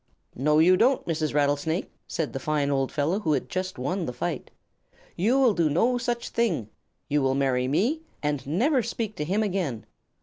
"No, you don't, Mrs. Rattlesnake," said the fine old fellow who had just won the fight. "You will do no such thing. You will marry me and never speak to him again.